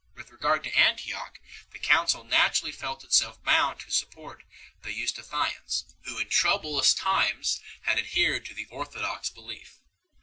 With regard to Antioch, the council naturally felt itself bound to support the Eustathians, who in troublous times had adhered to the orthodox belief.